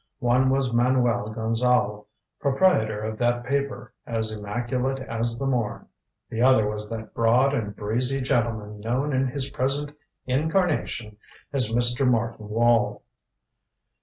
One was Manuel Gonzale, proprietor of that paper, as immaculate as the morn; the other was that broad and breezy gentleman known in his present incarnation as Mr. Martin Wall.